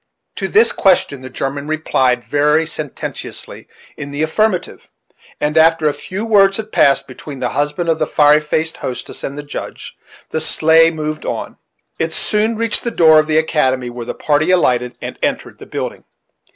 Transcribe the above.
To this question the German replied, very sententiously, in the affirmative; and, after a few words had passed between the husband of the fiery faced hostess and the Judge, the sleigh moved on. It soon reached the door of the academy, where the party alighted and entered the building.